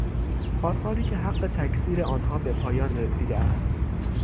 آثاری که حق تکثیر آنها به پایان رسیدهاست.